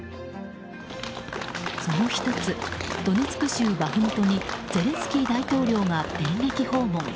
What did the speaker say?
その１つ、ドネツク州バフムトにゼレンスキー大統領が電撃訪問。